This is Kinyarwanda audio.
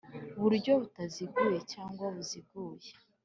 Buryo butaziguye cyangwa buziguye